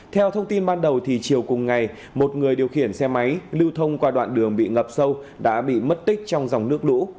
theo thông tin ban đầu chiều cùng ngày một người điều khiển xe máy lưu thông qua đoạn đường bị ngập sâu đã bị mất tích trong dòng nước lũ